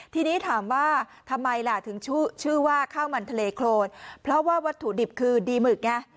ทีนี้ถามว่าทำไมล่ะถึงชื่อว่าข้าวมันทะเลโครนเพราะว่าวัตถุดิบคือดีหมึกไง